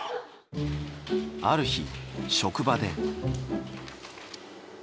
ある日職場で。